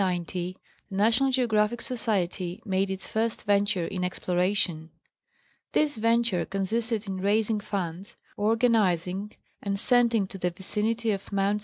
During the year 1890, the National Geographic Society made its first venture in exploration. This venture consisted in raising funds, organizing and sending to the vicinity of Mt.